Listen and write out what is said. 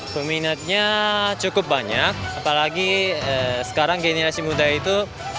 peminatnya cukup banyak apalagi sekarang generasi muda itu